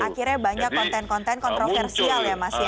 akhirnya banyak konten konten kontroversial ya mas ya